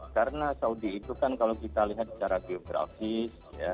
karena saudi itu kan kalau kita lihat secara geografis